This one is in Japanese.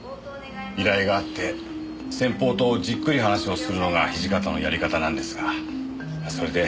依頼があって先方とじっくり話をするのが土方のやり方なんですがそれで。